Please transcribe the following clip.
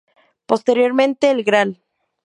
Posteriormente el Gral.